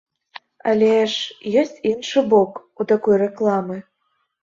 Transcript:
Але ж ёсць іншы бок у такой рэкламы.